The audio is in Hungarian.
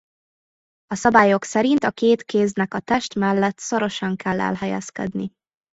A szabályok szerint a két kéznek a test mellett szorosan kell elhelyezkedni.